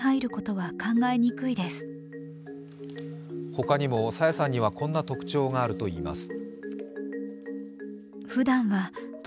他にも朝芽さんにはこんな特徴があるといいます。